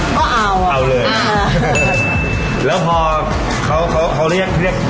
ก็เอาเอาเลยแล้วพอเขาเขาเขาเรียกเรียกเรียก